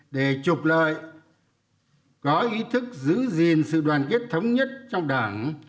để trục lợi có ý thức giữ gìn sự đoàn kết thống nhất trong đảng